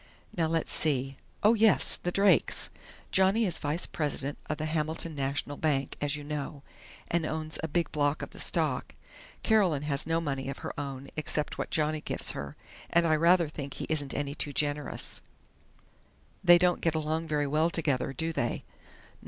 Now, let's see.... Oh, yes, the Drakes!... Johnny is vice president of the Hamilton National Bank, as you know, and owns a big block of the stock. Carolyn has no money of her own, except what Johnny gives her, and I rather think he isn't any too generous " "They don't get along very well together, do they?"